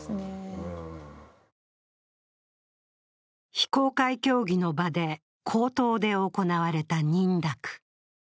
非公開協議の場で口頭で行われた認諾。